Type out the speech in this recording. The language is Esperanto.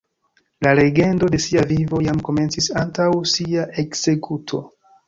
La legendo de sia vivo jam komencis antaŭ sia ekzekuto.